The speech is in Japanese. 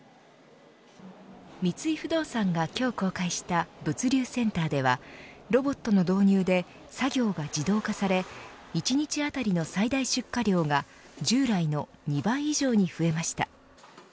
三井不動産が今日公開した物流センターではロボットの導入で作業が自動化され１日あたりの最大出荷量が従来の２倍以上に増えました。